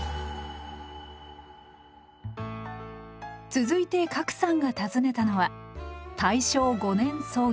続いて加来さんが訪ねたのは大正５年創業